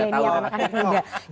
saya gak tau